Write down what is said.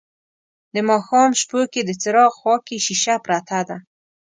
د ماښام شپو کې د څراغ خواکې شیشه پرته ده